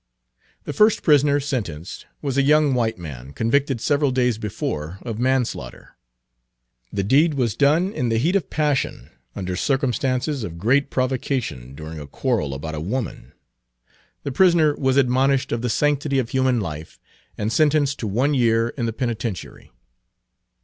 The first prisoner sentenced was a young white man, convicted several days before of manslaughter. The deed was done in the heat of passion, under circumstances of great provocation, during a quarrel about a woman. The prisoner was admonished of the sanctity of human life, and sentenced to one year in the penitentiary.